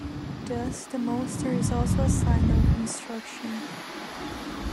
Thus, the monster is also a sign or instruction.